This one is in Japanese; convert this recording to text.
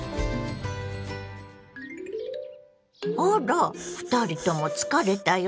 あら２人とも疲れた様子ね。